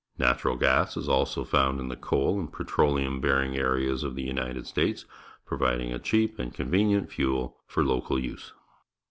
Natural gas is also found in the coal and petroleum bearing areas of the United States, providing a cheap and convenient fuel iov local use.